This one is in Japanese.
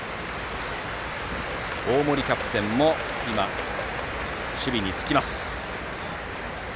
大森キャプテンも守備につきました。